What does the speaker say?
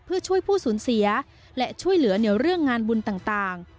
เพื่อช่วยผู้สูญเสียและช่วยเหลือในเรื่องงานบุญต่าง